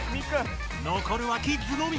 残るはキッズのみ。